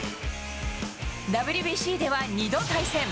ＷＢＣでは２度対戦。